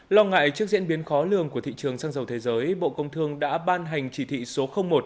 lo ngại trước diễn biến khó lường của thị trường xăng dầu thế giới bộ công thương đã ban hành chỉ thị số một